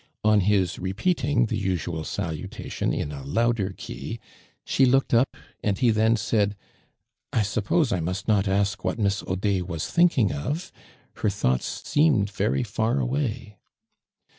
< »n his repeating the usual salutation in a loutler key, she looked up and he then said, " I suppose I must not ask what Miss Audet was thinking of! Her thoughts seemed very far away."